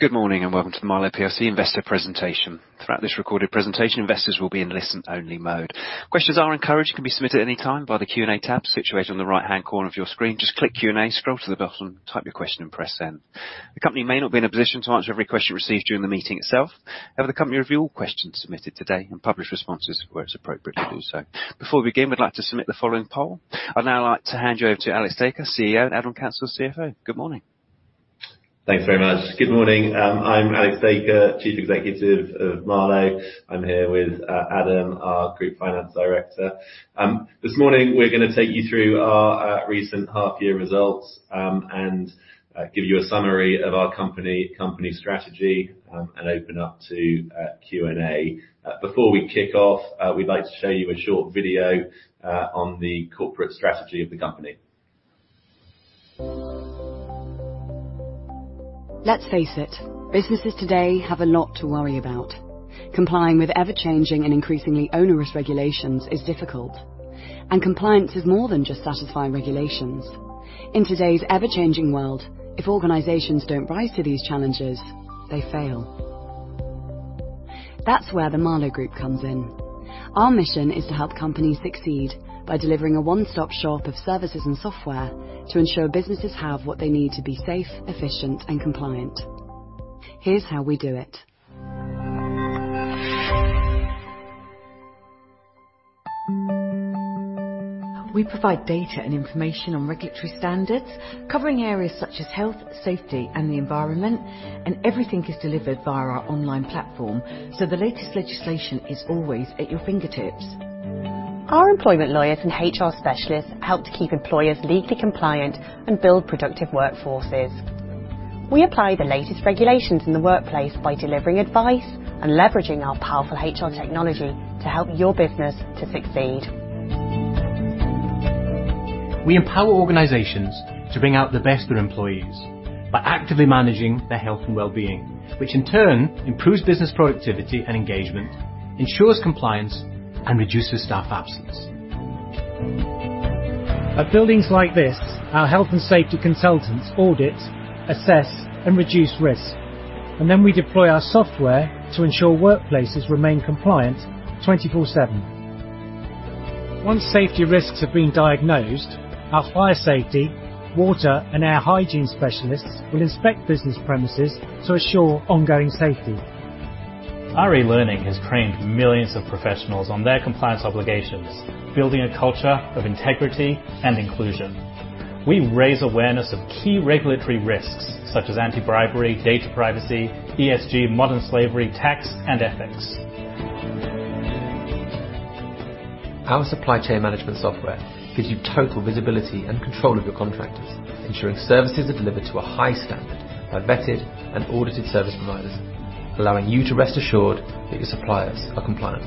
Good morning, and welcome to the Marlowe plc Investor Presentation. Throughout this recorded presentation, investors will be in listen-only mode. Questions are encouraged and can be submitted any time by the Q&A tab situated on the right-hand corner of your screen. Just click Q&A, scroll to the bottom, type your question, and press Send. The company may not be in a position to answer every question received during the meeting itself. However, the company review all questions submitted today and publish responses where it's appropriate to do so. Before we begin, we'd like to submit the following poll. I'd now like to hand you over to Alex Dacre, CEO, and Adam Councell, CFO. Good morning. Thanks very much. Good morning. I'm Alex Dacre, Chief Executive of Marlowe. I'm here with Adam, our Group Finance Director. This morning we're gonna take you through our recent half year results, and give you a summary of our company strategy, and open up to Q&A. Before we kick off, we'd like to show you a short video on the corporate strategy of the company. Let's face it, businesses today have a lot to worry about. Complying with ever-changing and increasingly onerous regulations is difficult, and compliance is more than just satisfying regulations. In today's ever-changing world, if organizations don't rise to these challenges, they fail. That's where the Marlowe Group comes in. Our mission is to help companies succeed by delivering a one-stop shop of services and software to ensure businesses have what they need to be safe, efficient, and compliant. Here's how we do it. We provide data and information on regulatory standards, covering areas such as health, safety, and the environment, and everything is delivered via our online platform. The latest legislation is always at your fingertips. Our employment lawyers and HR specialists help to keep employers legally compliant and build productive workforces. We apply the latest regulations in the workplace by delivering advice and leveraging our powerful HR technology to help your business to succeed. We empower organizations to bring out the best for employees by actively managing their health and wellbeing, which in turn improves business productivity and engagement, ensures compliance, and reduces staff absence. At buildings like this, our health and safety consultants audit, assess, and reduce risk, and then we deploy our software to ensure workplaces remain compliant 24/7. Once safety risks have been diagnosed, our fire safety, water, and air hygiene specialists will inspect business premises to assure ongoing safety. Our e-learning has trained millions of professionals on their compliance obligations, building a culture of integrity and inclusion. We raise awareness of key regulatory risks such as anti-bribery, data privacy, ESG, modern slavery, tax, and ethics. Our supply chain management software gives you total visibility and control of your contractors, ensuring services are delivered to a high standard by vetted and audited service providers, allowing you to rest assured that your suppliers are compliant.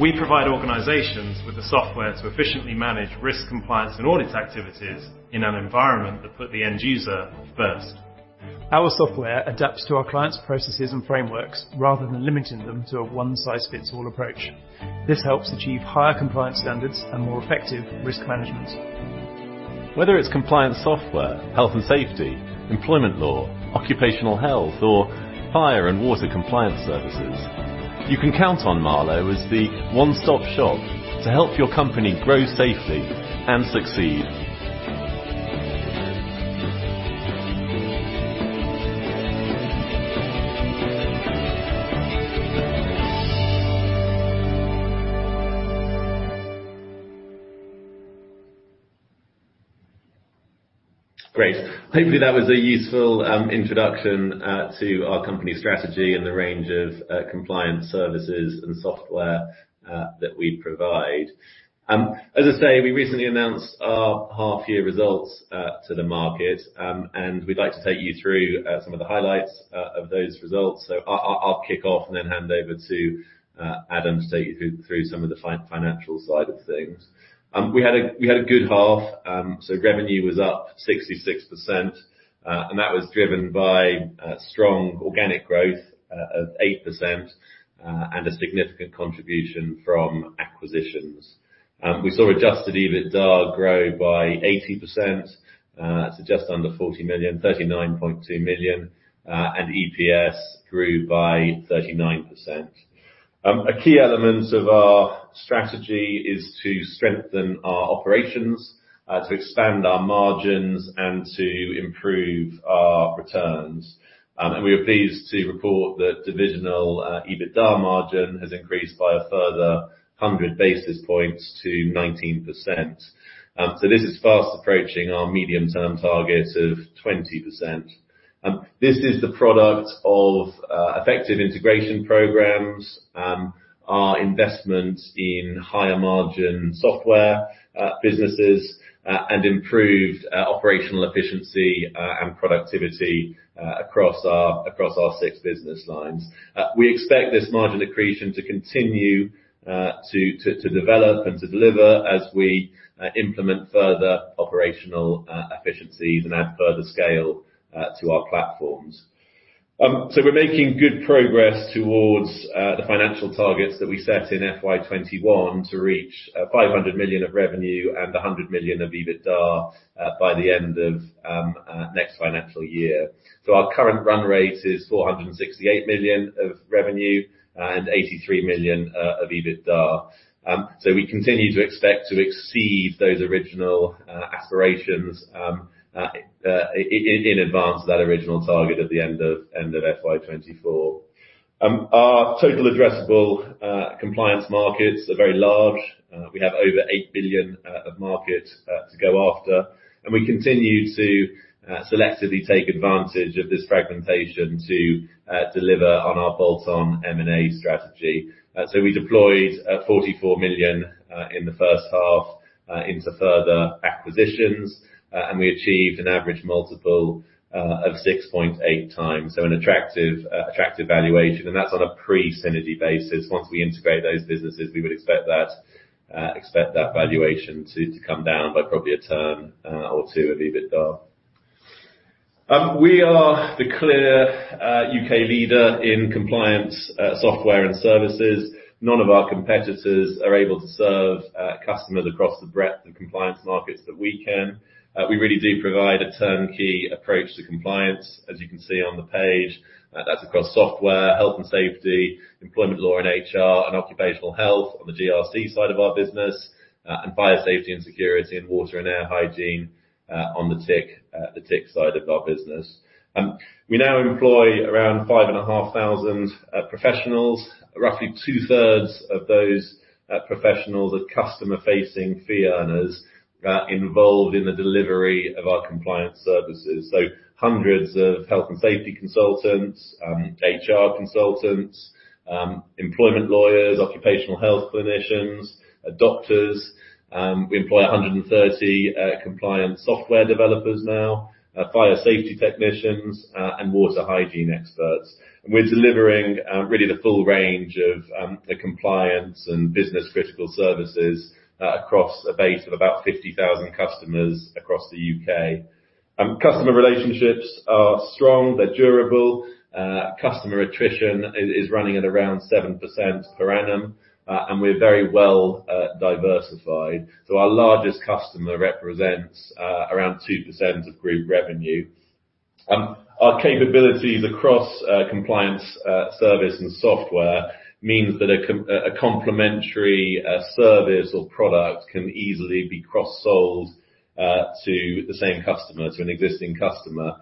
We provide organizations with the software to efficiently manage risk compliance and audit activities in an environment that put the end user first. Our software adapts to our clients' processes and frameworks rather than limiting them to a one-size-fits-all approach. This helps achieve higher compliance standards and more effective risk management. Whether it's compliance software, health and safety, employment law, occupational health, or fire and water compliance services, you can count on Marlowe as the one-stop shop to help your company grow safely and succeed. Great. Hopefully, that was a useful introduction to our company strategy and the range of compliance services and software that we provide. As I say, we recently announced our half-year results to the market, and we'd like to take you through some of the highlights of those results. I'll kick off and then hand over to Adam to take you through some of the financial side of things. We had a good half. Revenue was up 66%. That was driven by strong organic growth of 8% and a significant contribution from acquisitions. We saw adjusted EBITDA grow by 80%, just under 40 million, 39.2 million, EPS grew by 39%. A key element of our strategy is to strengthen our operations, to expand our margins, and to improve our returns. We are pleased to report that divisional EBITDA margin has increased by a further 100 basis points to 19%. This is fast approaching our medium-term target of 20%. This is the product of effective integration programs, our investment in higher margin software businesses, and improved operational efficiency and productivity across our six business lines. We expect this margin accretion to continue to develop and to deliver as we implement further operational efficiencies and add further scale to our platforms. We're making good progress towards the financial targets that we set in FY 2021 to reach 500 million of revenue and 100 million of EBITDA by the end of next financial year. Our current run rate is 468 million of revenue and 83 million of EBITDA. We continue to expect to exceed those original aspirations in advance of that original target at the end of FY 2024. Our total addressable compliance markets are very large. We have over 8 billion of market to go after. We continue to selectively take advantage of this fragmentation to deliver on our bolt-on M&A strategy. We deployed 44 million in the first half into further acquisitions. We achieved an average multiple of 6.8x, so an attractive valuation. That's on a pre-synergy basis. Once we integrate those businesses, we would expect that valuation to come down by probably a term or two of EBITDA. We are the clear U.K. leader in compliance software and services. None of our competitors are able to serve customers across the breadth of compliance markets that we can. We really do provide a turnkey approach to compliance, as you can see on the page. That's across software, health and safety, employment law and HR, and occupational health on the GRC side of our business, and fire safety and security and water and air hygiene, on the TIC side of our business. We now employ around 5,500 professionals. Roughly 2/3 of those professionals are customer-facing fee earners, involved in the delivery of our compliance services. Hundreds of health and safety consultants, HR consultants, employment lawyers, occupational health clinicians, doctors. We employ 130 compliance software developers now, fire safety technicians, and water hygiene experts. We're delivering really the full range of the compliance and business critical services across a base of about 50,000 customers across the U.K. Customer relationships are strong, they're durable. Customer attrition is running at around 7% per annum. We're very well diversified. Our largest customer represents around 2% of group revenue. Our capabilities across compliance, service and software means that a complementary service or product can easily be cross-sold to the same customer, to an existing customer.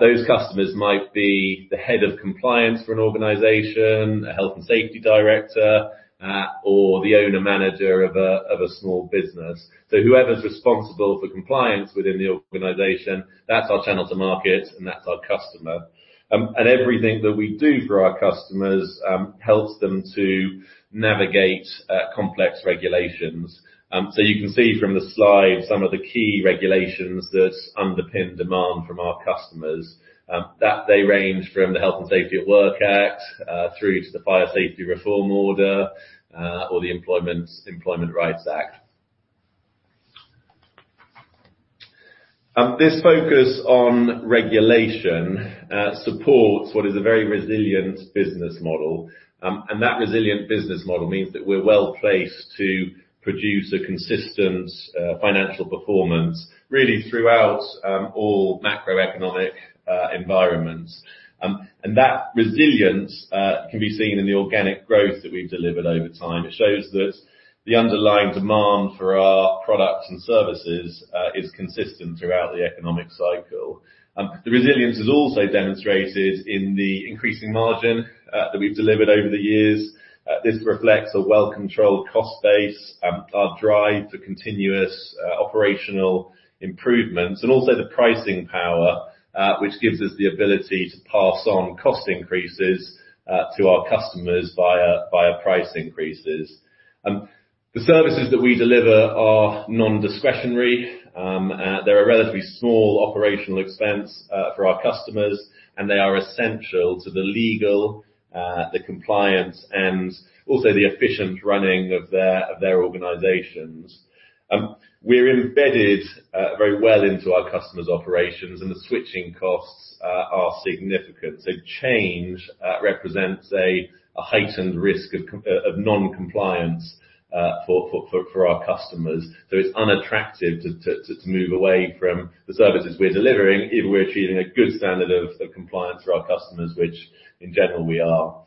Those customers might be the head of compliance for an organization, a health and safety director, or the owner-manager of a small business. Whoever's responsible for compliance within the organization, that's our channel to market and that's our customer. Everything that we do for our customers helps them to navigate complex regulations. You can see from the slide some of the key regulations that underpin demand from our customers, that they range from the Health and Safety at Work Act, through to the Fire Safety Reform Order, or the Employment Rights Act. This focus on regulation supports what is a very resilient business model. That resilient business model means that we're well placed to produce a consistent financial performance really throughout all macroeconomic environments. That resilience can be seen in the organic growth that we've delivered over time. It shows that the underlying demand for our products and services is consistent throughout the economic cycle. The resilience is also demonstrated in the increasing margin that we've delivered over the years. This reflects a well-controlled cost base, our drive to continuous operational improvements and also the pricing power, which gives us the ability to pass on cost increases to our customers via price increases. The services that we deliver are non-discretionary. They're a relatively small operational expense for our customers, and they are essential to the legal, the compliance, and also the efficient running of their, of their organizations. We're embedded very well into our customers' operations, and the switching costs are significant. Change represents a heightened risk of non-compliance for our customers. It's unattractive to move away from the services we're delivering if we're achieving a good standard of compliance for our customers, which in general we are.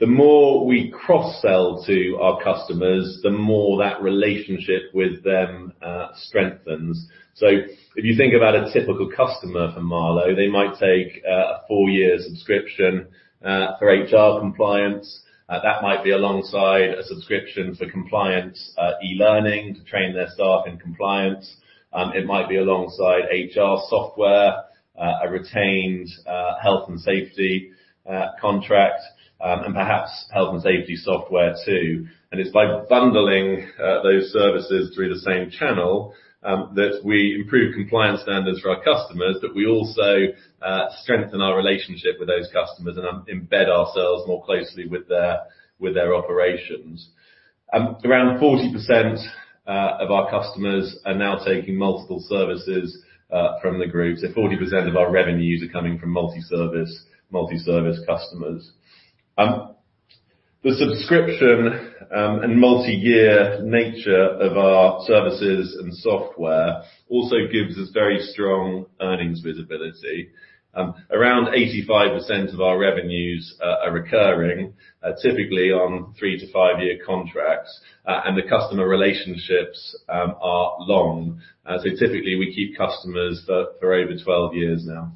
The more we cross-sell to our customers, the more that relationship with them strengthens. If you think about a typical customer for Marlowe, they might take a four-year subscription for HR compliance. That might be alongside a subscription for compliance, e-learning to train their staff in compliance. It might be alongside HR software, a retained health and safety contract, and perhaps health and safety software too. It's by bundling those services through the same channel that we improve compliance standards for our customers, but we also strengthen our relationship with those customers and embed ourselves more closely with their operations. Around 40% of our customers are now taking multiple services from the group. 40% of our revenues are coming from multi-service customers. The subscription and multi-year nature of our services and software also gives us very strong earnings visibility. Around 85% of our revenues are recurring, typically on 3-5-year contracts. The customer relationships are long. Typically we keep customers for over 12 years now.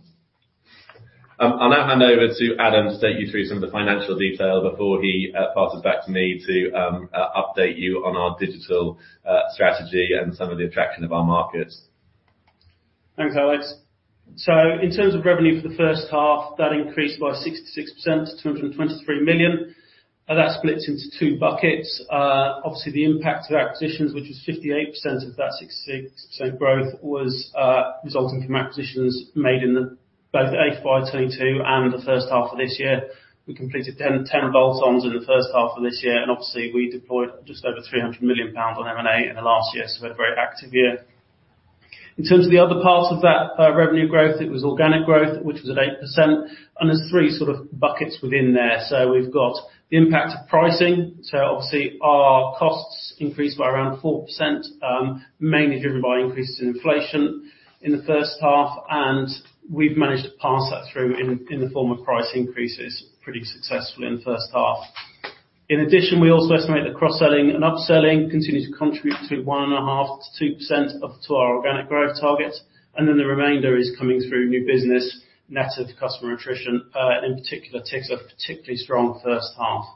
I'll now hand over to Adam to take you through some of the financial detail before he passes back to me to update you on our digital strategy and some of the attraction of our markets. Thanks, Alex. In terms of revenue for the first half, that increased by 66% to 223 million. That splits into two buckets. Obviously, the impact of acquisitions, which was 58% of that 66% growth, was resulting from acquisitions made in both FY 2022 and the first half of this year. We completed 10 bolt-ons in the first half of this year, and obviously we deployed just over 300 million pounds on M&A in the last year. A very active year. In terms of the other parts of that revenue growth, it was organic growth, which was at 8%. There's three sort of buckets within there. We've got the impact of pricing. Obviously our costs increased by around 4%, mainly driven by increases in inflation in the first half, and we've managed to pass that through in the form of price increases pretty successfully in the first half. In addition, we also estimate that cross-selling and upselling continue to contribute between 1.5%-2% of, to our organic growth target, and then the remainder is coming through new business net of customer attrition, in particular, TICs of a particularly strong first half.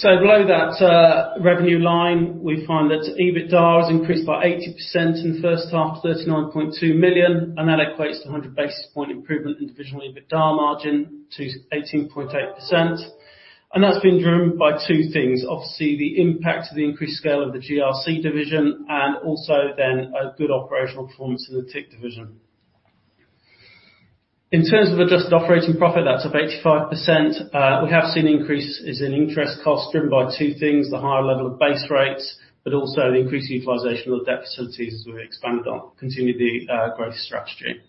Below that, revenue line, we find that EBITDA has increased by 80% in the first half to 39.2 million, and that equates to 100 basis point improvement in divisional EBITDA margin to 18.8%. That's been driven by two things. The impact of the increased scale of the GRC division and also then a good operational performance in the TIC division. In terms of adjusted operating profit, that's up 85%. We have seen increases in interest costs driven by two things, the higher level of base rates, but also the increased utilization of the debt facilities as we expand on, continue the growth strategy.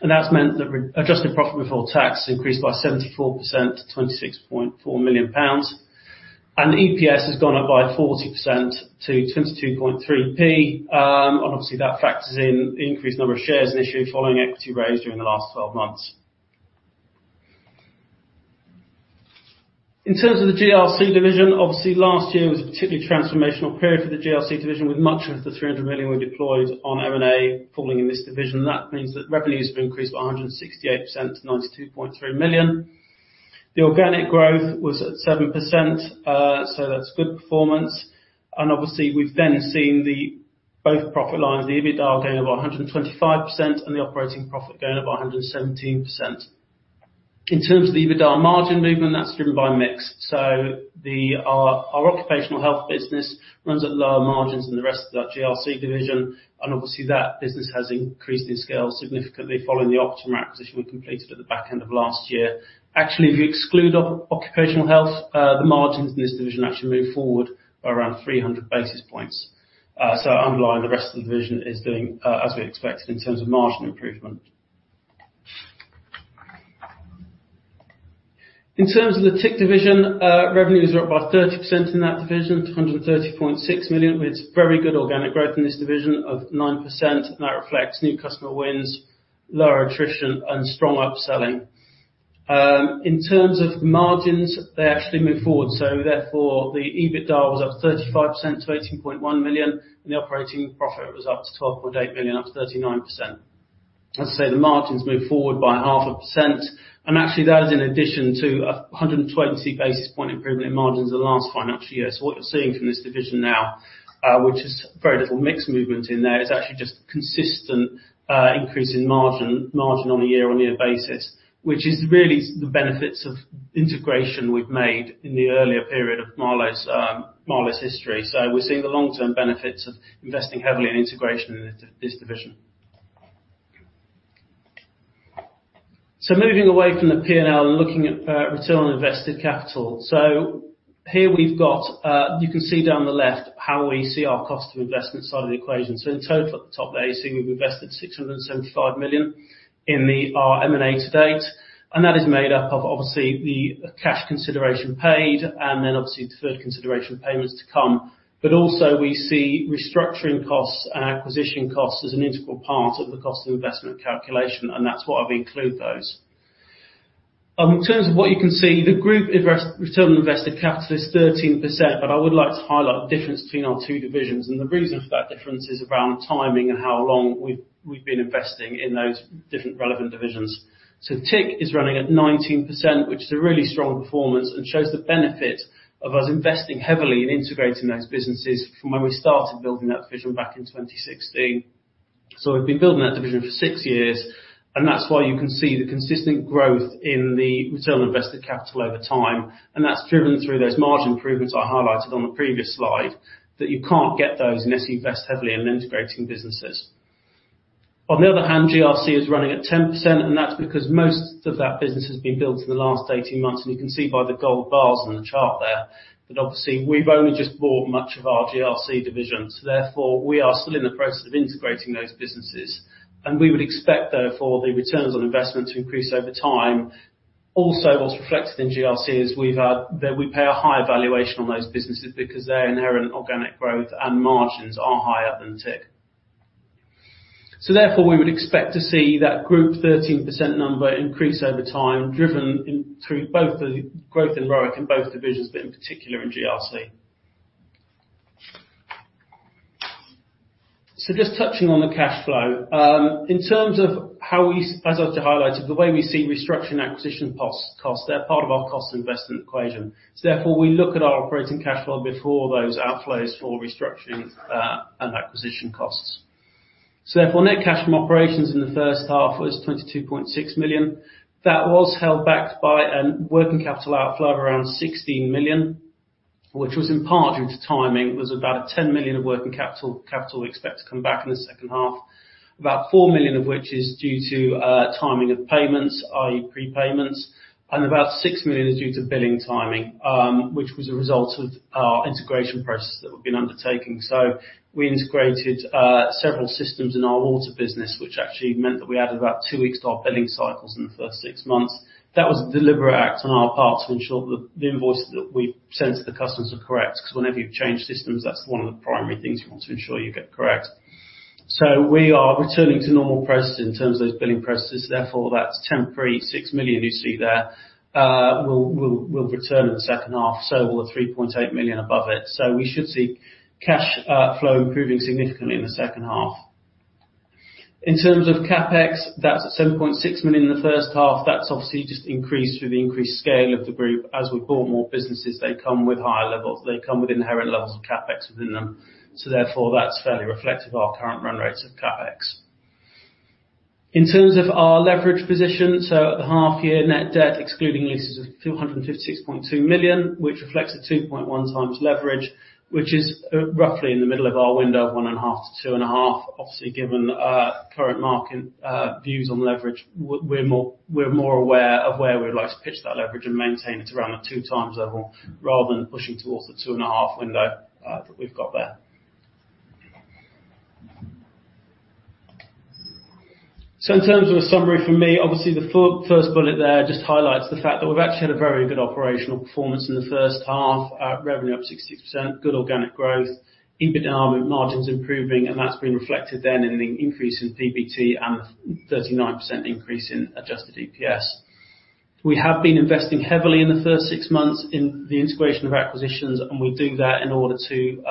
That's meant that adjusted profit before tax increased by 74% to 26.4 million pounds. EPS has gone up by 40% to 0.223. Obviously, that factors in the increased number of shares and issues following equity raise during the last 12 months. In terms of the GRC division, obviously last year was a particularly transformational period for the GRC division, with much of the 300 million we deployed on M&A falling in this division. That means that revenues have increased by 168% to 92.3 million. The organic growth was at 7%, that's good performance. We've then seen the both profit lines, the EBITDA going up 125% and the operating profit going up 117%. In terms of the EBITDA margin movement, that's driven by mix. Our occupational health business runs at lower margins than the rest of the GRC division, that business has increased in scale significantly following the Optima Health acquisition we completed at the back end of last year. Actually, if you exclude occupational health, the margins in this division actually move forward by around 300 basis points. Underlying the rest of the division is doing as we expected in terms of margin improvement. In terms of the TIC division, revenues are up by 30% in that division to 130.6 million, with very good organic growth in this division of 9%. That reflects new customer wins, lower attrition, and strong upselling. In terms of margins, they actually moved forward, so therefore the EBITDA was up 35% to 18.1 million, and the operating profit was up to 12.8 million, up to 39%. As I say, the margins moved forward by half a percent. Actually that is in addition to a 120 basis point improvement in margins in the last financial year. What you're seeing from this division now, which is very little mix movement in there, is actually just consistent increase in margin on a year-on-year basis, which is really the benefits of integration we've made in the earlier period of Marlowe's history. We're seeing the long-term benefits of investing heavily in integration in this division. Moving away from the P&L and looking at return on invested capital. Here we've got, you can see down the left how we see our cost of investment side of the equation. In total, at the top there, you see we've invested 675 million in our M&A to date, and that is made up of obviously the cash consideration paid and then obviously the deferred consideration payments to come. Also we see restructuring costs and acquisition costs as an integral part of the cost of investment calculation, and that's why we include those. In terms of what you can see, the group return on invested capital is 13%, but I would like to highlight the difference between our two divisions. The reason for that difference is around timing and how long we've been investing in those different relevant divisions. TIC is running at 19%, which is a really strong performance and shows the benefit of us investing heavily in integrating those businesses from when we started building that division back in 2016. We've been building that division for six years, that's why you can see the consistent growth in the return on invested capital over time. That's driven through those margin improvements I highlighted on the previous slide, that you can't get those unless you invest heavily in integrating businesses. On the other hand, GRC is running at 10%, that's because most of that business has been built in the last 18 months. You can see by the gold bars in the chart there that obviously we've only just bought much of our GRC division, so therefore we are still in the process of integrating those businesses. We would expect, therefore, the returns on investment to increase over time. Also what's reflected in GRC is we've that we pay a higher valuation on those businesses because their inherent organic growth and margins are higher than TIC. Therefore, we would expect to see that group 13% number increase over time, driven in through both the growth in ROIC in both divisions, but in particular in GRC. Just touching on the cash flow. In terms of how we as I've highlighted, the way we see restructuring acquisition costs, they're part of our cost investment equation. Therefore, we look at our operating cash flow before those outflows for restructuring and acquisition costs. Therefore, net cash from operations in the first half was 22.6 million. That was held back by a working capital outflow of around 16 million, which was in part due to timing. It was about 10 million of working capital we expect to come back in the second half, about 4 million of which is due to timing of payments, i.e., prepayments, and about 6 million is due to billing timing, which was a result of our integration processes that we've been undertaking. We integrated several systems in our water business, which actually meant that we added about two weeks to our billing cycles in the first six months. That was a deliberate act on our part to ensure that the invoices that we send to the customers are correct, because whenever you change systems, that's one of the primary things you want to ensure you get correct. We are returning to normal processes in terms of those billing processes. Therefore, that temporary 6 million you see there, will return in the second half, so will the 3.8 million above it. We should see cash flow improving significantly in the second half. In terms of CapEx, that's at 7.6 million in the first half. That's obviously just increased through the increased scale of the group. As we bought more businesses, they come with higher levels, they come with inherent levels of CapEx within them. Therefore, that's fairly reflective of our current run rates of CapEx. In terms of our leverage position, at the half year, net debt, excluding leases of 256.2 million, which reflects a 2.1x leverage, which is roughly in the middle of our window of 1.5x-2.5x. Obviously, given current market views on leverage, we're more aware of where we'd like to pitch that leverage and maintain it around a 2x level, rather than pushing towards the 2.5x window that we've got there. In terms of a summary from me, obviously the first bullet there just highlights the fact that we've actually had a very good operational performance in the first half. Revenue up 66%, good organic growth, EBITDA margins improving. That's been reflected then in the increase in PBT and a 39% increase in adjusted EPS. We have been investing heavily in the first 6 months in the integration of acquisitions, and we do that in order to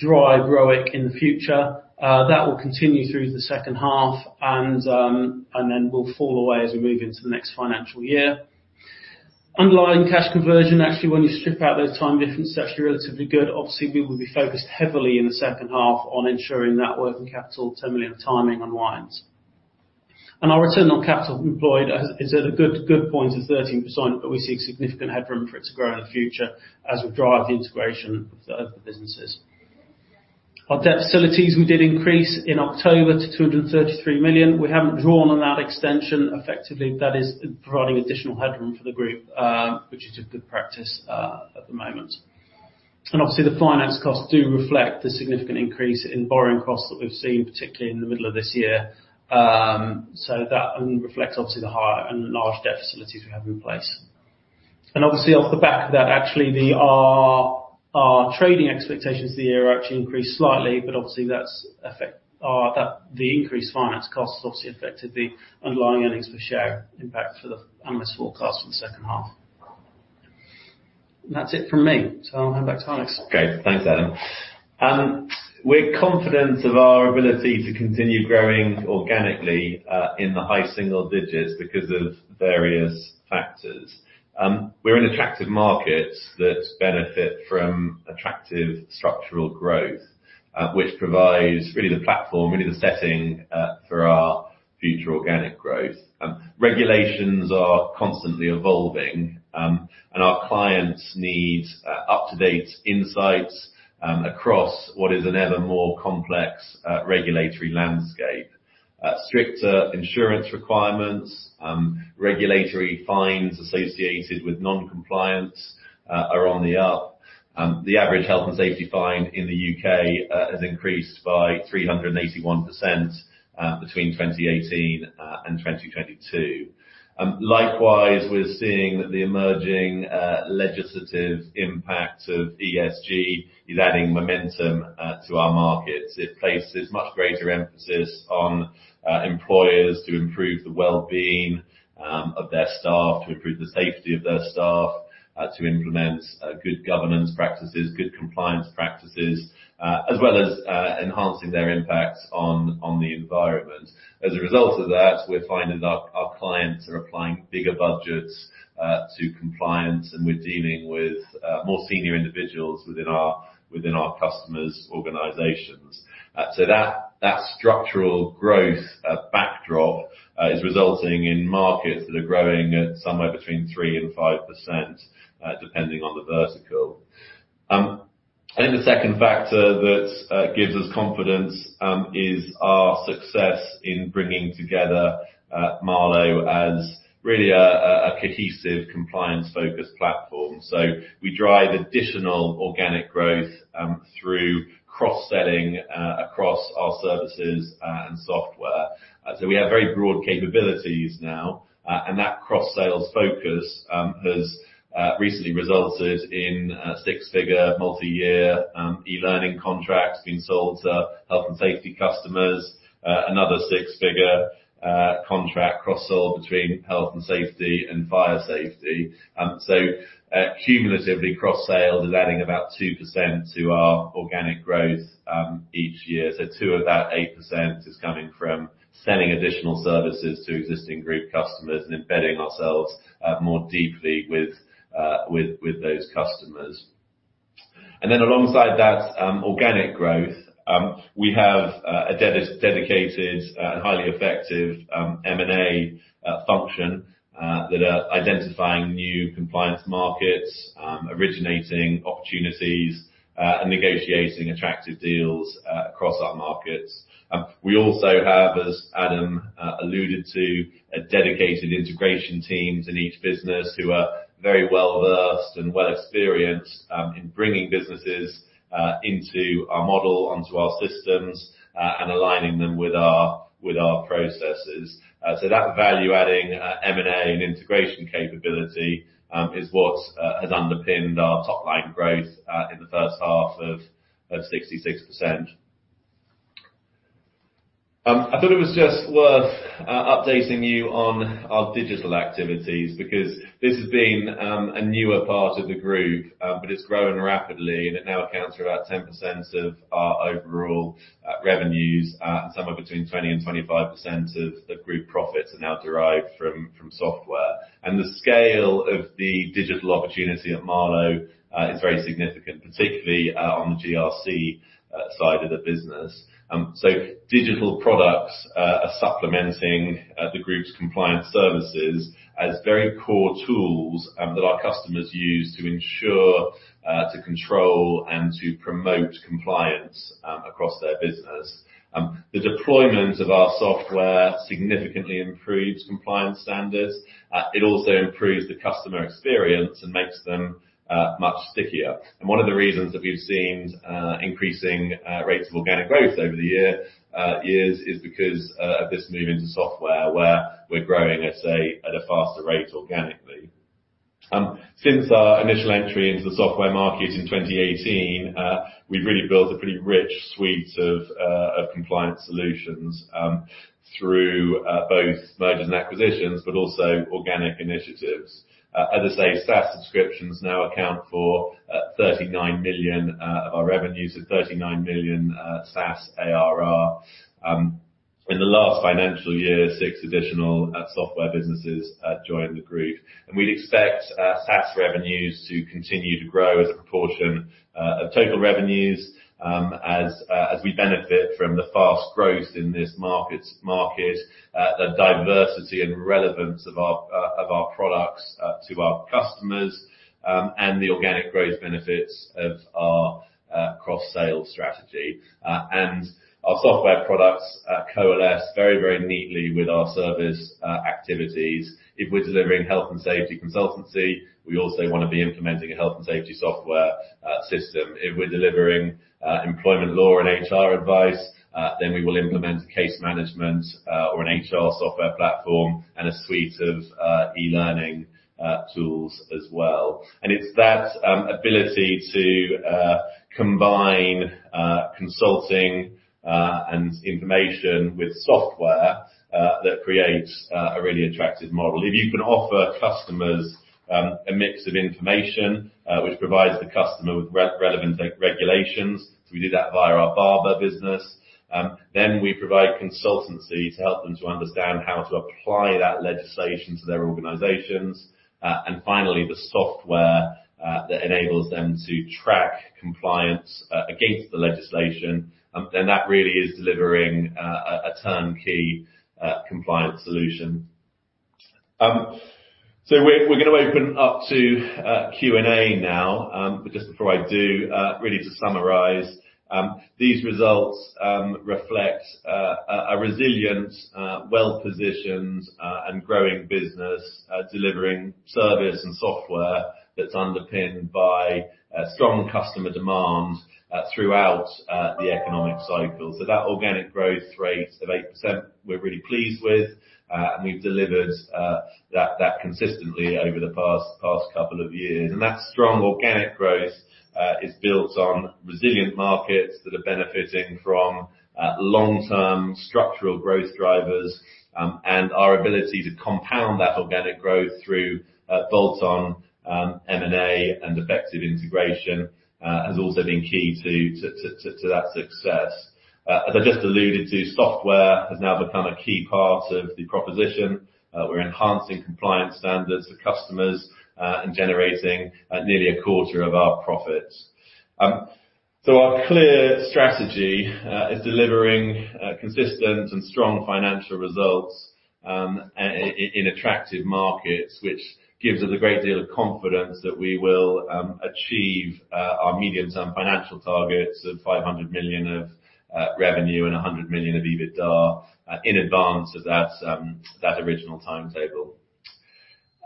drive ROIC in the future. That will continue through the second half and then will fall away as we move into the next financial year. Underlying cash conversion, actually, when you strip out those time differences, it's actually relatively good. Obviously, we will be focused heavily in the second half on ensuring that working capital, 10 million timing unwinds. Our return on capital employed is at a good point of 13%. We see significant headroom for it to grow in the future as we drive the integration of the businesses. Our debt facilities, we did increase in October to 233 million. We haven't drawn on that extension. Effectively, that is providing additional headroom for the group, which is a good practice at the moment. Obviously, the finance costs do reflect the significant increase in borrowing costs that we've seen, particularly in the middle of this year. That reflects obviously the higher and large debt facilities we have in place. Obviously, off the back of that, actually, the, our trading expectations for the year are actually increased slightly, but obviously that's affected the increased finance costs obviously affected the underlying earnings per share impact for the and this forecast for the second half. That's it from me. I'll hand back to Alex. Okay. Thanks, Adam. We're confident of our ability to continue growing organically in the high single digits because of various factors. We're in attractive markets that benefit from attractive structural growth, which provides really the platform, really the setting for our future organic growth. Regulations are constantly evolving, our clients need up-to-date insights across what is an ever more complex regulatory landscape. Stricter insurance requirements, regulatory fines associated with non-compliance are on the up. The average health and safety fine in the U.K. has increased by 381% between 2018 and 2022. Likewise, we're seeing the emerging legislative impact of ESG is adding momentum to our markets. It places much greater emphasis on employers to improve the wellbeing of their staff, to improve the safety of their staff, to implement good governance practices, good compliance practices, as well as enhancing their impacts on the environment. As a result of that, we're finding our clients are applying bigger budgets to compliance, and we're dealing with more senior individuals within our customers' organizations. That, that structural growth backdrop is resulting in markets that are growing at somewhere between 3% and 5%, depending on the vertical. The second factor that gives us confidence is our success in bringing together Marlowe as really a cohesive compliance focused platform. We drive additional organic growth through cross-selling across our services and software. We have very broad capabilities now, and that cross-sales focus has recently resulted in a six-figure, multi-year, e-learning contract being sold to health and safety customers. Another six-figure contract cross-sold between health and safety and fire safety. Cumulatively cross-sales is adding about 2% to our organic growth each year. Two of that 8% is coming from selling additional services to existing group customers and embedding ourselves more deeply with those customers. Alongside that organic growth, we have a dedicated and highly effective M&A function that are identifying new compliance markets, originating opportunities, and negotiating attractive deals across our markets. We also have, as Adam alluded to, a dedicated integration teams in each business who are very well-versed and well experienced in bringing businesses into our model, onto our systems, and aligning them with our, with our processes. That value adding M&A and integration capability is what has underpinned our top line growth in the first half of 66%. I thought it was just worth updating you on our digital activities because this has been a newer part of the group, but it's growing rapidly, and it now accounts for about 10% of our overall revenues. Somewhere between 20% and 25% of the group profits are now derived from software. The scale of the digital opportunity at Marlowe is very significant, particularly on the GRC side of the business. Digital products are supplementing the group's compliance services as very core tools that our customers use to ensure, to control and to promote compliance across their business. The deployment of our software significantly improves compliance standards. It also improves the customer experience and makes them much stickier. One of the reasons that we've seen increasing rates of organic growth over the year is because of this move into software where we're growing, let's say, at a faster rate organically. Since our initial entry into the software market in 2018, we've really built a pretty rich suite of compliance solutions through both mergers and acquisitions, but also organic initiatives. As I say, SaaS subscriptions now account for 39 million of our revenues. 39 million SaaS ARR. In the last financial year, six additional software businesses joined the group. We'd expect SaaS revenues to continue to grow as a proportion of total revenues as we benefit from the fast growth in this market, the diversity and relevance of our products to our customers, and the organic growth benefits of our cross-sale strategy. Our software products coalesce very neatly with our service activities. If we're delivering health and safety consultancy, we also wanna be implementing a health and safety software system. If we're delivering employment law and HR advice, then we will implement case management or an HR software platform and a suite of e-learning tools as well. It's that ability to combine consulting and information with software that creates a really attractive model. If you can offer customers a mix of information, which provides the customer with relevant regulations, so we do that via our Barbour business, then we provide consultancy to help them to understand how to apply that legislation to their organizations. Finally, the software that enables them to track compliance against the legislation, then that really is delivering a turnkey compliance solution. We're gonna open up to Q&A now. Just before I do, really to summarize, these results reflect a resilient, well-positioned, and growing business, delivering service and software that's underpinned by strong customer demand throughout the economic cycle. That organic growth rate of 8%, we're really pleased with. We've delivered that consistently over the past couple of years. That strong organic growth is built on resilient markets that are benefiting from long-term structural growth drivers. Our ability to compound that organic growth through bolt-on M&A and effective integration has also been key to that success. As I just alluded to, software has now become a key part of the proposition. We're enhancing compliance standards for customers and generating nearly a quarter of our profits. Our clear strategy is delivering consistent and strong financial results in attractive markets, which gives us a great deal of confidence that we will achieve our medium-term financial targets of 500 million of revenue and 100 million of EBITDA in advance of that original timetable.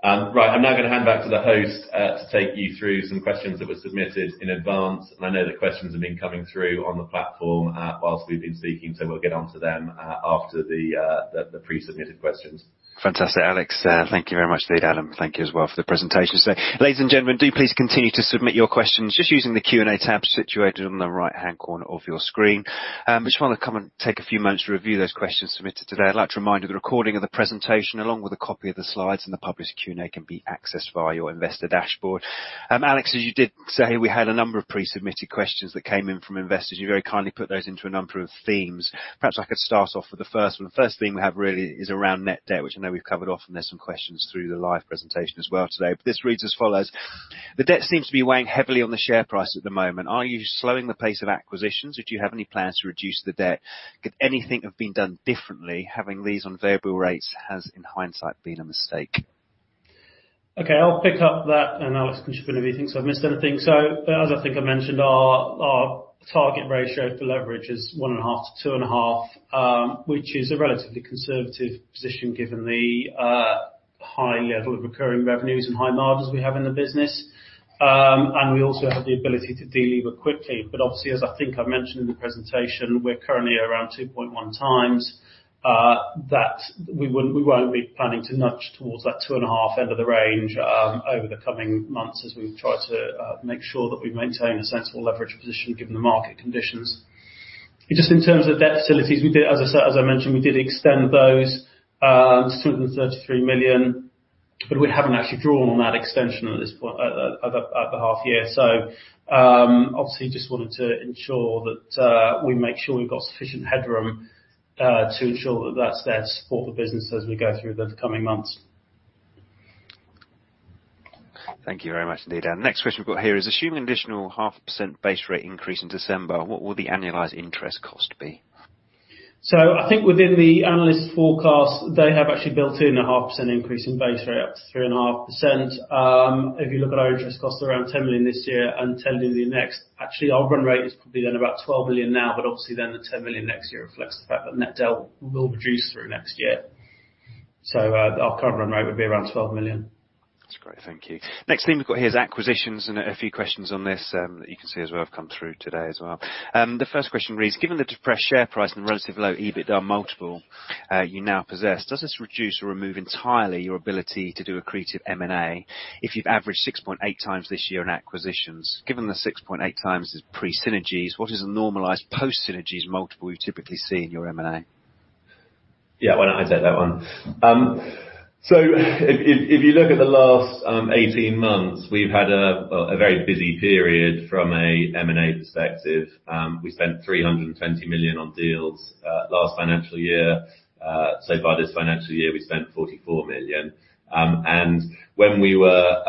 Right. I'm now gonna hand back to the host to take you through some questions that were submitted in advance. I know that questions have been coming through on the platform whilst we've been speaking, so we'll get onto them after the pre-submitted questions. Fantastic, Alex. Thank you very much indeed. Adam, thank you as well for the presentation. Ladies and gentlemen, do please continue to submit your questions just using the Q&A tab situated on the right-hand corner of your screen. I just wanna come and take a few moments to review those questions submitted today. I'd like to remind you the recording of the presentation, along with a copy of the slides and the published Q&A, can be accessed via your investor dashboard. Alex, as you did say, we had a number of pre-submitted questions that came in from investors. You very kindly put those into a number of themes. Perhaps I could start off with the first one. The first theme we have really is around net debt, which I know we've covered off, and there's some questions through the live presentation as well today. This reads as follows: The debt seems to be weighing heavily on the share price at the moment. Are you slowing the pace of acquisitions or do you have any plans to reduce the debt? Could anything have been done differently? Having these on variable rates has, in hindsight, been a mistake. I'll pick up that, Alex can chip in if he thinks I've missed anything. As I think I mentioned, our target ratio for leverage is 1.5x-2.5x, which is a relatively conservative position given the high level of recurring revenues and high margins we have in the business. We also have the ability to de-lever quickly. Obviously, as I think I mentioned in the presentation, we're currently around 2.1x that we won't be planning to nudge towards that 2.5x end of the range over the coming months as we try to make sure that we maintain a sensible leverage position given the market conditions. Just in terms of debt facilities, we did. I said, as I mentioned, we did extend those to 233 million. We haven't actually drawn on that extension at this point at the half year. Obviously, just wanted to ensure that we make sure we've got sufficient headroom to ensure that that's there to support the business as we go through the coming months. Thank you very much indeed. Next question we've got here is assuming additional half % base rate increase in December, what will the annualized interest cost be? I think within the analyst forecast, they have actually built in a 0.5% increase in base rate up to 3.5%. If you look at our interest cost, around 10 million this year and 10 million next. Our run rate is probably then about 12 million now, but obviously then the 10 million next year reflects the fact that net debt will reduce through next year. Our current run rate would be around 12 million. That's great. Thank you. Next theme we've got here is acquisitions. A few questions on this, that you can see as well have come through today as well. The first question reads: Given the depressed share price and the relatively low EBITDA multiple, you now possess, does this reduce or remove entirely your ability to do accretive M&A if you've averaged 6.8x this year in acquisitions? Given the 6.8x is pre-synergies, what is the normalized post synergies multiple you typically see in your M&A? Yeah. Why don't I take that one? If you look at the last 18 months, we've had a very busy period from a M&A perspective. We spent 320 million on deals last financial year. So far this financial year, we've spent 44 million. When we were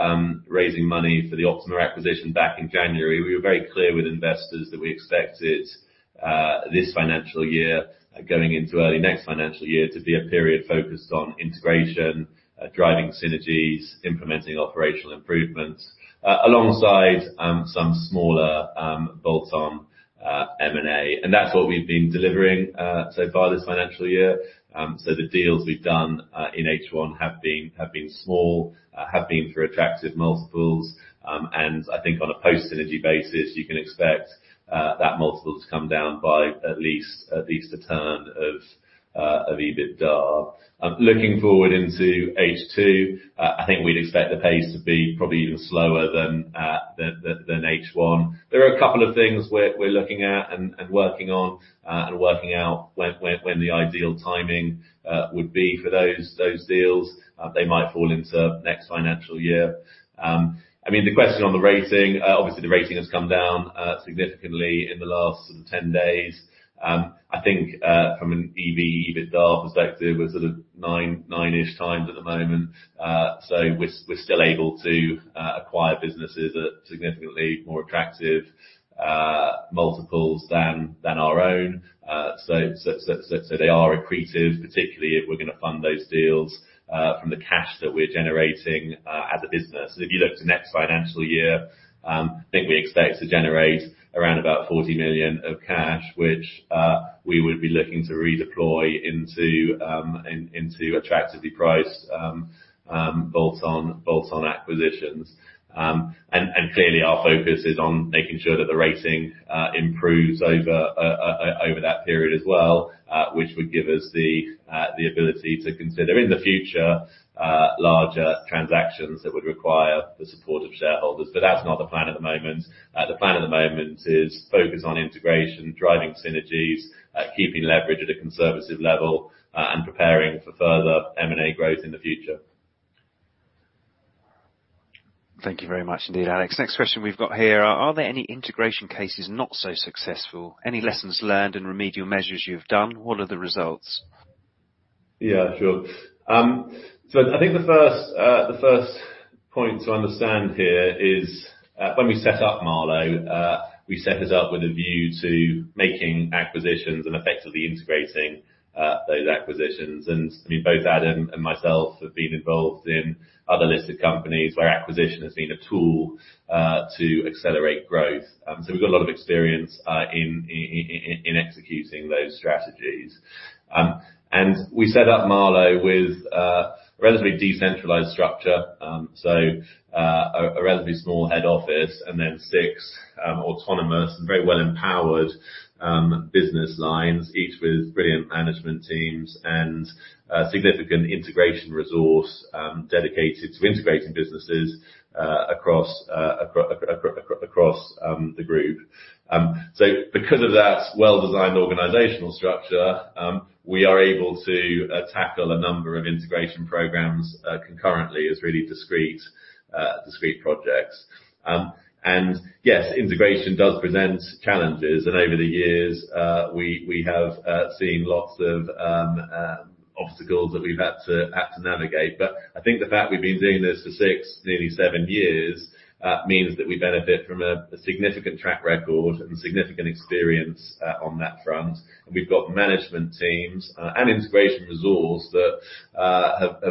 raising money for the Optima acquisition back in January, we were very clear with investors that we expected this financial year, going into early next financial year, to be a period focused on integration, driving synergies, implementing operational improvements, alongside some smaller, bolt-on M&A. That's what we've been delivering so far this financial year. The deals we've done in H1 have been small, have been through attractive multiples. I think on a post-synergy basis, you can expect that multiple to come down by at least a turn of EBITDA. Looking forward into H2, I think we'd expect the pace to be probably even slower than H1. There are a couple of things we're looking at and working on and working out when the ideal timing would be for those deals. They might fall into next financial year. I mean, the question on the rating, obviously the rating has come down significantly in the last 10 days. I think from an EV/EBITDA perspective, we're sort of 9-ish times at the moment. o acquire businesses at significantly more attractive multiples than our own. They are accretive, particularly if we're going to fund those deals from the cash that we're generating as a business. If you look to next financial year, I think we expect to generate around 40 million of cash, which we would be looking to redeploy into attractively priced bolt-on acquisitions. Clearly our focus is on making sure that the rating improves over that period as well, which would give us the ability to consider in the future larger transactions that would require the support of shareholders. That's not the plan at the moment The plan at the moment is focus on integration, driving synergies, keeping leverage at a conservative level, and preparing for further M&A growth in the future. Thank you very much indeed, Alex. Next question we've got here: Are there any integration cases not so successful? Any lessons learned and remedial measures you've done? What are the results? Sure. I think the first point to understand here is when we set up Marlowe, we set it up with a view to making acquisitions and effectively integrating those acquisitions. I mean, both Adam and myself have been involved in other listed companies where acquisition has been a tool to accelerate growth. We've got a lot of experience in executing those strategies. We set up Marlowe with a relatively decentralized structure. So, a relatively small head office and then six autonomous and very well empowered business lines, each with brilliant management teams and significant integration resource dedicated to integrating businesses across the group. Because of that well-designed organizational structure, we are able to tackle a number of integration programs concurrently as really discreet projects. Yes, integration does present challenges. Over the years, we have seen lots of obstacles that we've had to navigate. I think the fact we've been doing this for six, nearly seven years, means that we benefit from a significant track record and significant experience on that front. We've got management teams, and integration resource that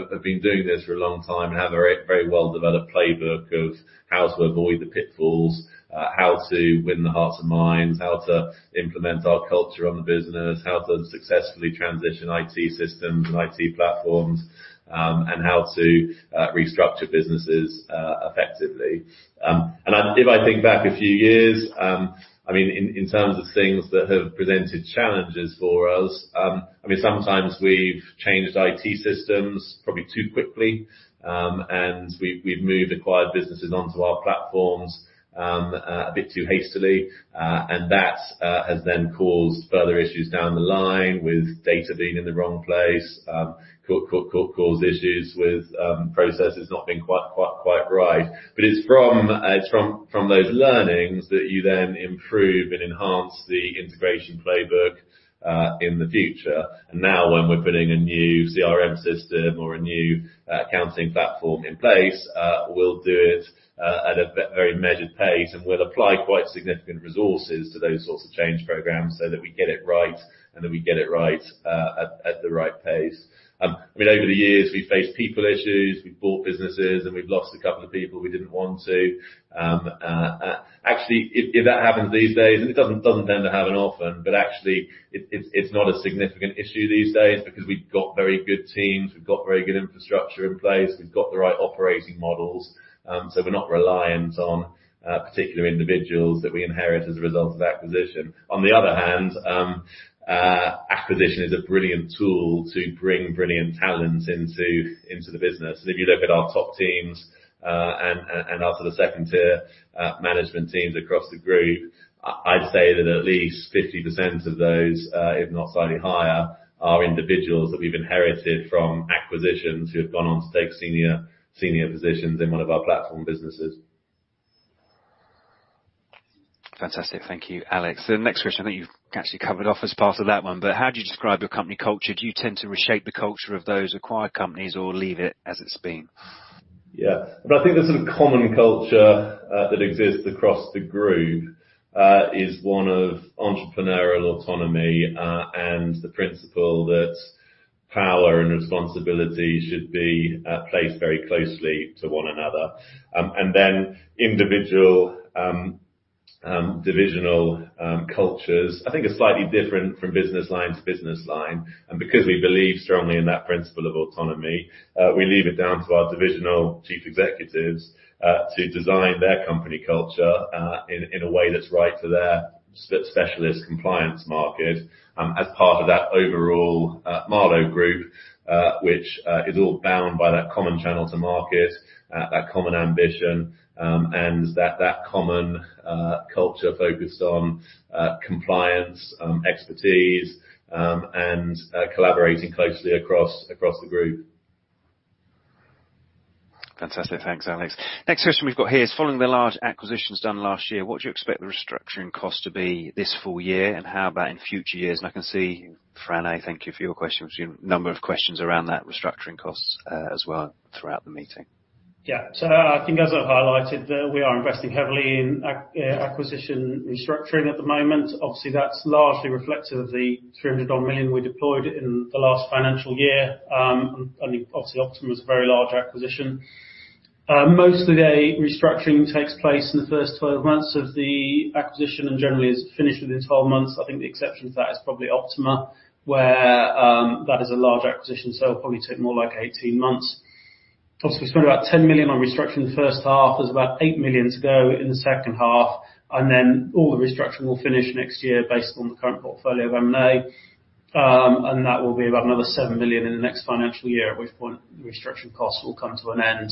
have been doing this for a long time and have a very, very well-developed playbook of how to avoid the pitfalls, how to win the hearts and minds, how to implement our culture on the business, how to successfully transition IT systems and IT platforms, and how to restructure businesses effectively. If I think back a few years, I mean, in terms of things that have presented challenges for us, I mean, sometimes we've changed IT systems probably too quickly, and we've moved acquired businesses onto our platforms, a bit too hastily. That has then caused further issues down the line with data being in the wrong place. Caused issues with processes not being quite right. It's from those learnings that you then improve and enhance the integration playbook in the future. Now when we're putting a new CRM system or a new accounting platform in place, we'll do it at a very measured pace, and we'll apply quite significant resources to those sorts of change programs so that we get it right and that we get it right at the right pace. I mean, over the years we've faced people issues, we've bought businesses, and we've lost a couple of people we didn't want to. actually, if that happens these days, it doesn't tend to happen often. Actually it's not a significant issue these days because we've got very good teams, we've got very good infrastructure in place, we've got the right operating models, so we're not reliant on particular individuals that we inherit as a result of the acquisition. On the other hand, acquisition is a brilliant tool to bring brilliant talent into the business. If you look at our top teams, and up to the second tier, management teams across the group, I'd say that at least 50% of those, if not slightly higher, are individuals that we've inherited from acquisitions who have gone on to take senior positions in one of our platform businesses. Fantastic. Thank you, Alex. The next question I think you've actually covered off as part of that one, but how do you describe your company culture? Do you tend to reshape the culture of those acquired companies or leave it as it's been? I think there's a common culture that exists across the group, is one of entrepreneurial autonomy, and the principle that power and responsibility should be placed very closely to one another. Then individual divisional cultures, I think are slightly different from business line to business line. Because we believe strongly in that principle of autonomy, we leave it down to our divisional chief executives to design their company culture in a way that's right to their specialist compliance market, as part of that overall Marlowe Group, which is all bound by that common channel to market, that common ambition, and that common culture focused on compliance expertise, and collaborating closely across the group. Fantastic. Thanks, Alex. Next question we've got here is following the large acquisitions done last year, what do you expect the restructuring cost to be this full year, and how about in future years? I can see Frane, thank you for your question. We've seen a number of questions around that restructuring costs as well throughout the meeting. Yeah. I think as I highlighted, we are investing heavily in acquisition restructuring at the moment. Obviously, that's largely reflective of the 300 odd million we deployed in the last financial year. Obviously Optima is a very large acquisition. Most of the restructuring takes place in the first 12 months of the acquisition and generally is finished within 12 months. I think the exception to that is probably Optima, where that is a large acquisition, so it'll probably take more like 18 months. Plus, we spent about 10 million on restructuring the first half. There's about 8 million to go in the second half, and then all the restructuring will finish next year based on the current portfolio of M&A. That will be about another 7 million in the next financial year, at which point the restructuring costs will come to an end,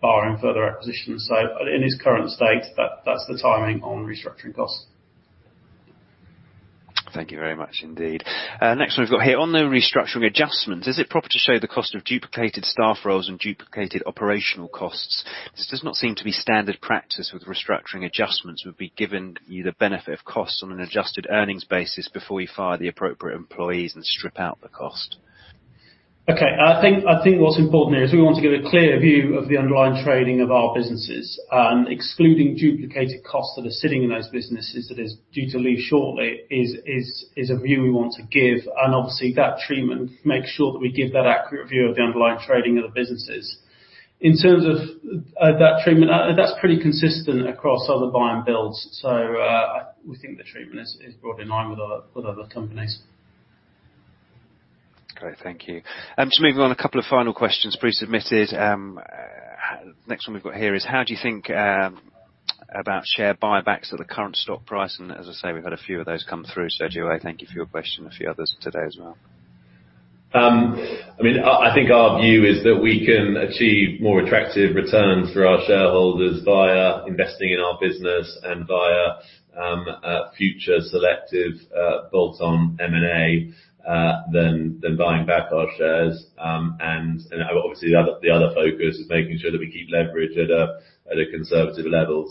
barring further acquisitions. In its current state, that's the timing on restructuring costs. Thank you very much indeed. Next one we've got here. On the restructuring adjustments, is it proper to show the cost of duplicated staff roles and duplicated operational costs? This does not seem to be standard practice with restructuring adjustments would be giving you the benefit of costs on an adjusted earnings basis before you fire the appropriate employees and strip out the cost. Okay. I think what's important here is we want to give a clear view of the underlying trading of our businesses. Excluding duplicated costs that are sitting in those businesses that is due to leave shortly is a view we want to give. Obviously, that treatment makes sure that we give that accurate view of the underlying trading of the businesses. In terms of that treatment, that's pretty consistent across other buy and builds. We think the treatment is broadly in line with other, with other companies. Great, thank you. Just moving on a couple of final questions pre-submitted. Next one we've got here is, how do you think about share buybacks at the current stock price? As I say, we've had a few of those come through. Joey, thank you for your question and a few others today as well. I mean, I think our view is that we can achieve more attractive returns for our shareholders via investing in our business and via future selective bolt-on M&A than buying back our shares. Obviously the other focus is making sure that we keep leverage at a conservative level.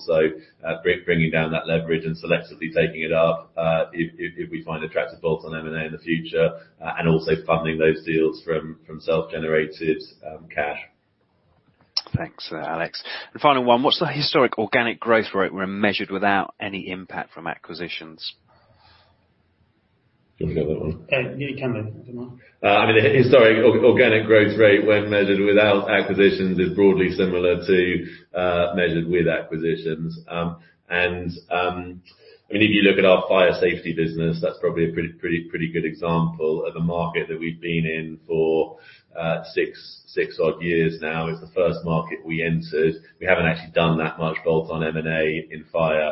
Bringing down that leverage and selectively taking it up if we find attractive bolt-on M&A in the future and also funding those deals from self-generated cash. Thanks, Alex. Final one, what's the historic organic growth rate when measured without any impact from acquisitions? Do you want do that one? Okay. You can do it. I don't mind. I mean, historic organic growth rate when measured without acquisitions is broadly similar to measured with acquisitions. I mean, if you look at our fire safety business, that's probably a pretty good example of a market that we've been in for six odd years now. It's the first market we entered. We haven't actually done that much bolt on M&A in fire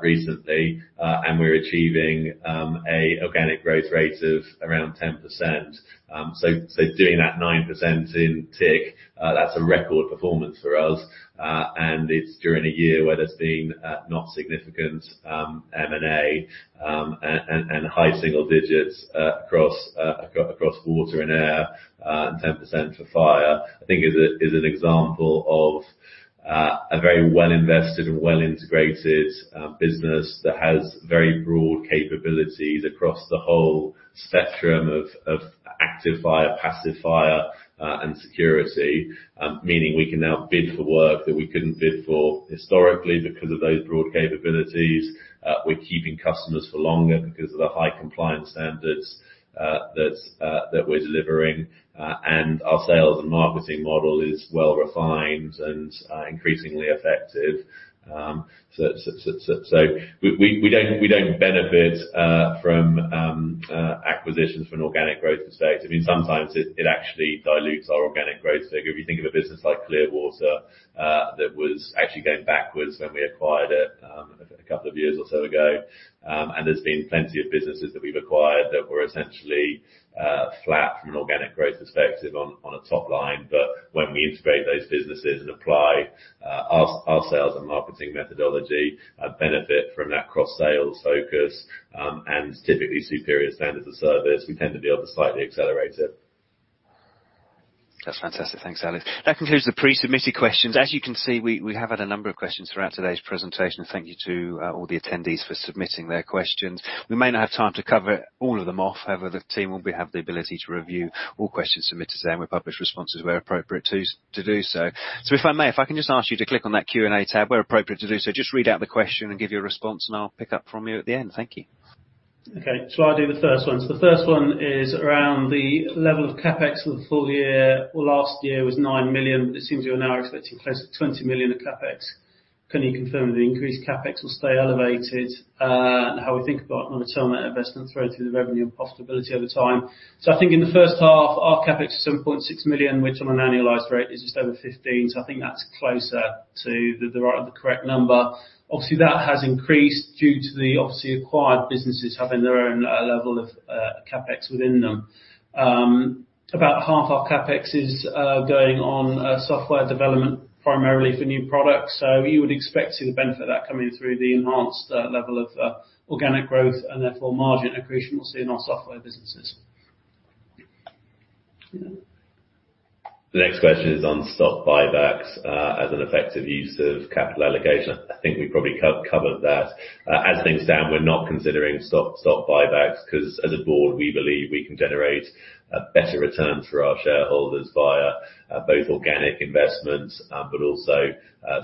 recently. We're achieving a organic growth rate of around 10%. Doing that 9% in TIC, that's a record performance for us. It's during a year where there's been not significant M&A, and high single digits across water and air, and 10% for fire, I think is an example of a very well-invested and well-integrated business that has very broad capabilities across the whole spectrum of active fire, passive fire, and security. Meaning we can now bid for work that we couldn't bid for historically because of those broad capabilities. We're keeping customers for longer because of the high compliance standards that's that we're delivering. Our sales and marketing model is well refined and increasingly effective. We don't benefit from acquisitions from an organic growth perspective. I mean, sometimes it actually dilutes our organic growth figure. If you think of a business like Clearwater, that was actually going backwards when we acquired it, a couple of years or so ago. There's been plenty of businesses that we've acquired that were essentially flat from an organic growth perspective on a top line. When we integrate those businesses and apply our sales and marketing methodology and benefit from that cross-sales focus, and typically superior standards of service, we tend to be able to slightly accelerate it. That's fantastic. Thanks, Alex. That concludes the pre-submitted questions. As you can see, we have had a number of questions throughout today's presentation. Thank you to all the attendees for submitting their questions. We may not have time to cover all of them off. The team will have the ability to review all questions submitted today, and we'll publish responses where appropriate to do so. If I may, if I can just ask you to click on that Q&A tab where appropriate to do so. Just read out the question and give your response, and I'll pick up from you at the end. Thank you. Okay. I'll do the first one. The first one is around the level of CapEx for the full year or last year was 9 million, but it seems you are now expecting close to 20 million of CapEx. Can you confirm the increased CapEx will stay elevated? How we think about return on investment through to the revenue and profitability over time? I think in the first half, our CapEx is 7.6 million, which on an annualized rate is just over 15 million. I think that's closer to the right or the correct number. Obviously, that has increased due to the obviously acquired businesses having their own level of CapEx within them. About half our CapEx is going on software development, primarily for new products. You would expect to benefit that coming through the enhanced level of organic growth and therefore margin accretion we'll see in our software businesses. Yeah. The next question is on stock buybacks, as an effective use of capital allocation. I think we probably covered that. As things stand, we're not considering stock buybacks 'cause as a board, we believe we can generate better returns for our shareholders via both organic investments, but also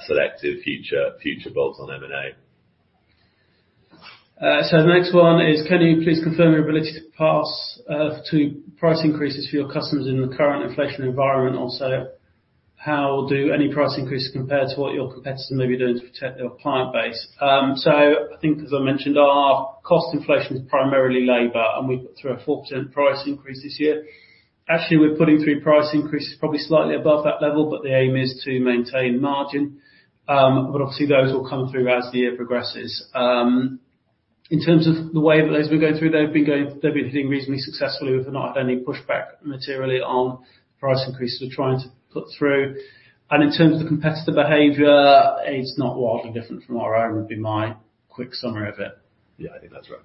selective future bolt-on M&A. The next one is, can you please confirm your ability to pass to price increases for your customers in the current inflation environment? How do any price increases compare to what your competitor may be doing to protect their client base? I think as I mentioned, our cost inflation is primarily labor, and we put through a 4% price increase this year. Actually, we're putting through price increases probably slightly above that level, but the aim is to maintain margin. Obviously, those will come through as the year progresses. In terms of the way those were going through, they've been hitting reasonably successfully. We've not had any pushback materially on price increases we're trying to put through. In terms of the competitor behavior, it's not wildly different from our own, would be my quick summary of it. I think that's right.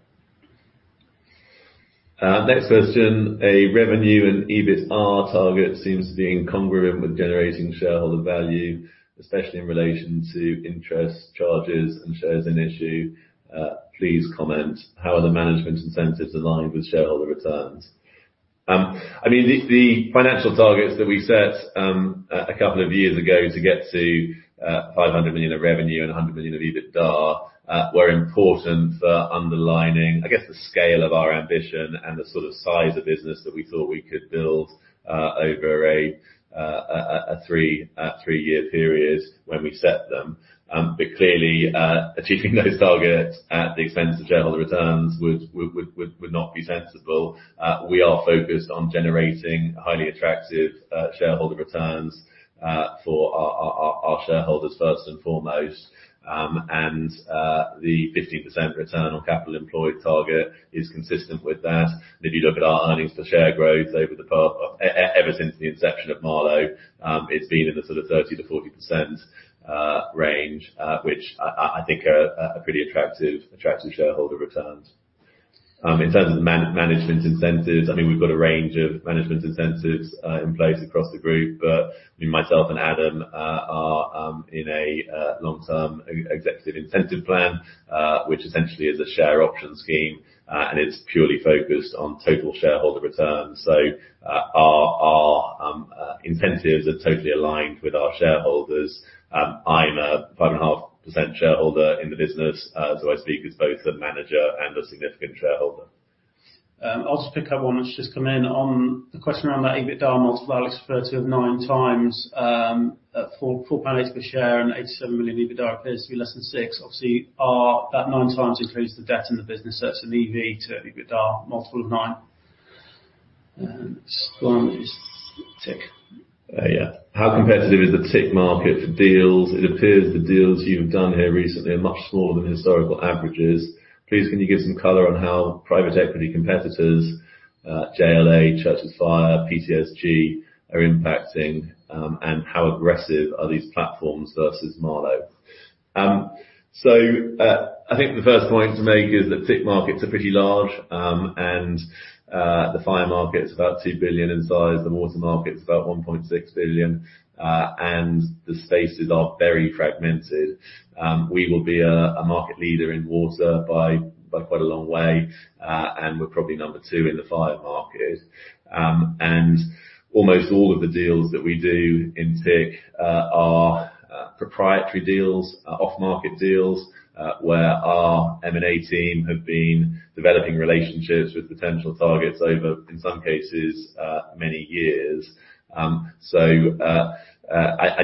Next question. A revenue and EBITDA target seems to be incongruent with generating shareholder value, especially in relation to interest charges and shares in issue. Please comment how are the management incentives aligned with shareholder returns? I mean the financial targets that we set a couple of years ago to get to 500 million of revenue and 100 million of EBITDA were important for underlining, I guess, the scale of our ambition and the sort of size of business that we thought we could build over a three-year period when we set them. Clearly, achieving those targets at the expense of shareholder returns would not be sensible. We are focused on generating highly attractive shareholder returns for our shareholders first and foremost. The 15% return on capital employed target is consistent with that. If you look at our earnings per share growth ever since the inception of Marlowe, it's been in the sort of 30%-40% range, which I think are pretty attractive shareholder returns. In terms of man-management incentives, I mean, we've got a range of management incentives in place across the group. Myself and Adam are in a long-term executive incentive plan, which essentially is a share option scheme, and it's purely focused on total shareholder returns. Our incentives are totally aligned with our shareholders. I'm a 5.5% shareholder in the business, so I speak as both a manager and a significant shareholder. I'll just pick up one that's just come in on the question around that EBITDA multiple Alex referred to of 9x, for 0.04 per share and 87 million EBITDA appears to be less than 6x. Obviously, that 9x includes the debt in the business. That's an EV/EBITDA multiple of nine. This one is TIC. Yeah. How competitive is the TIC market for deals? It appears the deals you've done here recently are much smaller than historical averages. Please, can you give some color on how private equity competitors, JLA, Churches Fire, PTSG, are impacting, and how aggressive are these platforms versus Marlowe? I think the first point to make is that TIC markets are pretty large, and the fire market is about 2 billion in size, the water market is about 1.6 billion, and the spaces are very fragmented. We will be a market leader in water by quite a long way, and we're probably number two in the fire market. Almost all of the deals that we do in TIC are proprietary deals, off-market deals, where our M&A team have been developing relationships with potential targets over, in some cases, many years. I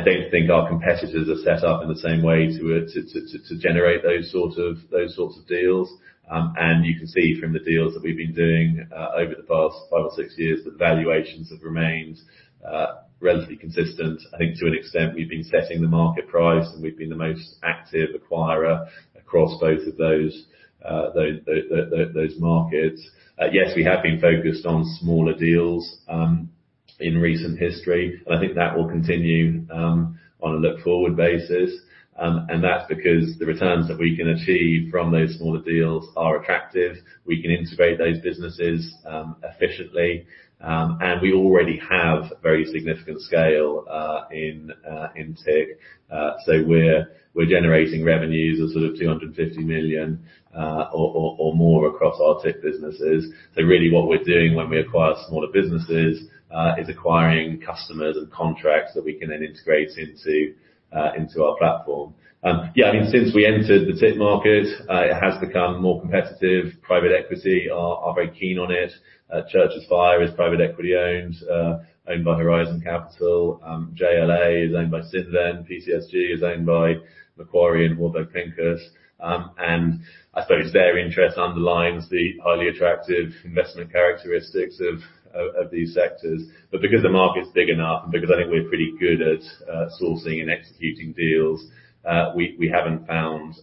don't think our competitors are set up in the same way to generate those sorts of deals. You can see from the deals that we've been doing over the past five or six years, the valuations have remained relatively consistent. I think to an extent, we've been setting the market price, we've been the most active acquirer across both of those markets. Yes, we have been focused on smaller deals in recent history, I think that will continue on a look-forward basis. That's because the returns that we can achieve from those smaller deals are attractive. We can integrate those businesses efficiently, and we already have very significant scale in TIC. We're generating revenues of sort of 250 million or more across our TIC businesses. Really what we're doing when we acquire smaller businesses is acquiring customers and contracts that we can then integrate into our platform. Yeah, I mean, since we entered the TIC market, it has become more competitive. Private equity are very keen on it. Churches Fire is private equity owned by Horizon Capital. JLA is owned by Cinven. PTSG is owned by Macquarie and Warburg Pincus. I suppose their interest underlines the highly attractive investment characteristics of these sectors. Because the market's big enough, and because I think we're pretty good at sourcing and executing deals, we haven't found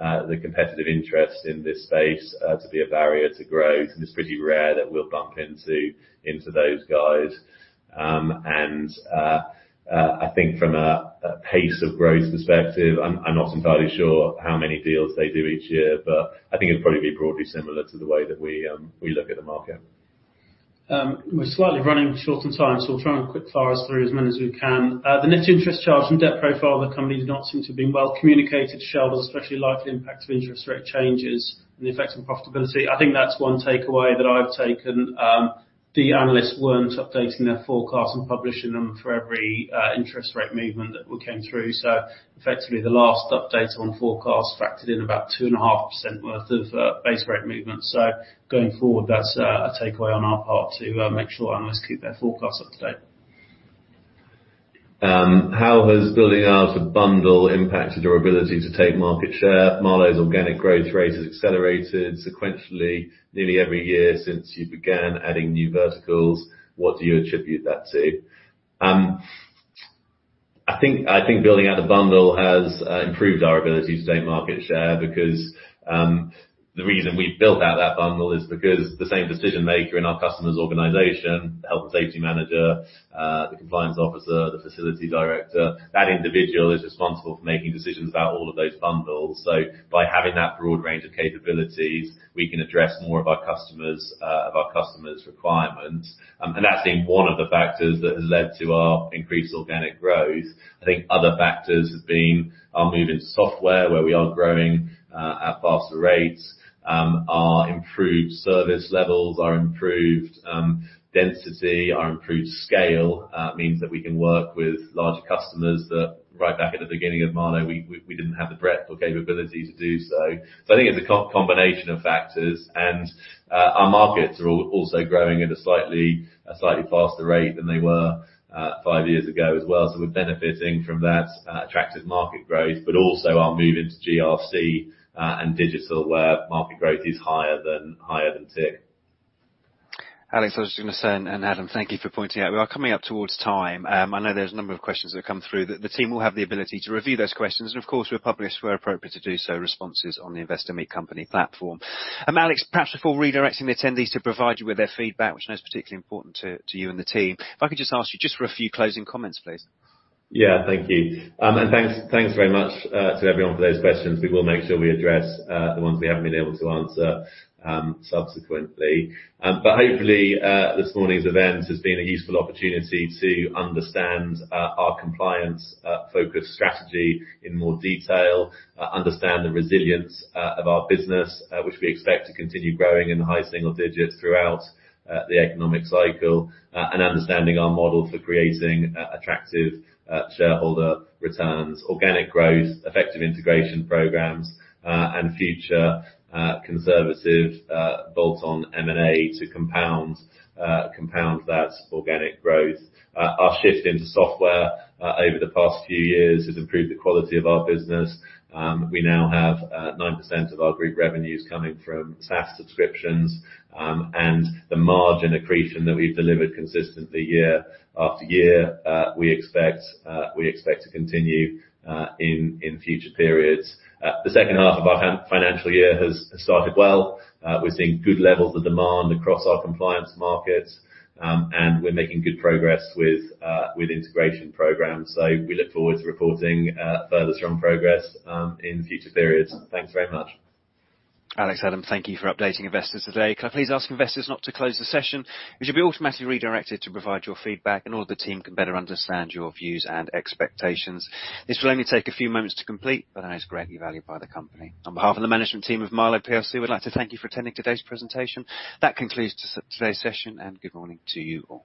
the competitive interest in this space to be a barrier to growth. It's pretty rare that we'll bump into those guys. I think from a pace of growth perspective, I'm not entirely sure how many deals they do each year, but I think it'd probably be broadly similar to the way that we look at the market. We're slightly running short on time, so we'll try and quick fire as through as many as we can. The net interest charge and debt profile of the company does not seem to have been well communicated to shareholders, especially likely impact of interest rate changes and the effects on profitability. I think that's one takeaway that I've taken. The analysts weren't updating their forecast and publishing them for every interest rate movement that we came through. Effectively, the last update on forecast factored in about 2.5% worth of base rate movement. Going forward, that's a takeaway on our part to make sure analysts keep their forecasts up to date. How has building out a bundle impacted your ability to take market share? Marlowe's organic growth rate has accelerated sequentially nearly every year since you began adding new verticals. What do you attribute that to? I think building out the bundle has improved our ability to gain market share because the reason we've built out that bundle is because the same decision maker in our customer's organization, the health and safety manager, the compliance officer, the facility director, that individual is responsible for making decisions about all of those bundles. By having that broad range of capabilities, we can address more of our customers, of our customers' requirements. That's been one of the factors that has led to our increased organic growth. I think other factors have been our move in software where we are growing at faster rates. Our improved service levels, our improved density, our improved scale means that we can work with larger customers that right back at the beginning of Marlowe, we didn't have the breadth or capability to do so. I think it's a combination of factors. Our markets are also growing at a slightly faster rate than they were five years ago as well. We're benefiting from that attractive market growth, but also our move into GRC and digital, where market growth is higher than TIC. Alex, I was just gonna say, and Adam, thank you for pointing out. We are coming up towards time. I know there's a number of questions that come through. The team will have the ability to review those questions, and of course, we'll publish where appropriate to do so responses on the Investor Meet Company platform. Alex, perhaps before redirecting the attendees to provide you with their feedback, which I know is particularly important to you and the team, if I could just ask you just for a few closing comments, please. Yeah, thank you. Thanks very much to everyone for those questions. We will make sure we address the ones we haven't been able to answer subsequently. Hopefully, this morning's event has been a useful opportunity to understand our compliance focused strategy in more detail, understand the resilience of our business, which we expect to continue growing in high single digits throughout the economic cycle, and understanding our model for creating attractive shareholder returns, organic growth, effective integration programs, and future conservative bolt-on M&A to compound that organic growth. Our shift into software over the past few years has improved the quality of our business. We now have 9% of our group revenues coming from SaaS subscriptions, and the margin accretion that we've delivered consistently year after year, we expect to continue in future periods. The second half of our financial year has started well. We're seeing good levels of demand across our compliance markets, and we're making good progress with integration programs. We look forward to reporting further strong progress in future periods. Thanks very much. Alex, Adam, thank you for updating investors today. Can I please ask investors not to close the session? You should be automatically redirected to provide your feedback in order the team can better understand your views and expectations. This will only take a few moments to complete, but I know it's greatly valued by the company. On behalf of the management team of Marlowe plc, we'd like to thank you for attending today's presentation. That concludes today's session. Good morning to you all.